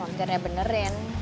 ya nunggu montirnya benerin